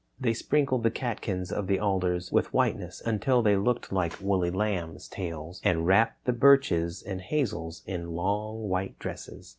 They sprinkled the catkins of the alders with whiteness until they looked like woolly lambs' tails, and wrapped the birches and hazels in long white dresses.